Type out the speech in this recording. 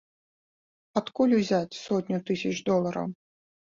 Адкуль узяць сотню тысяч долараў?